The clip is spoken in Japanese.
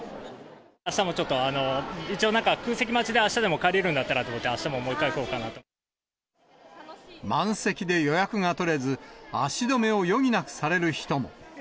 あしたもちょっと、一応、空席待ちであしたでも帰れるんだったらと思って、満席で予約が取れず、足止めを余儀なくされる人も。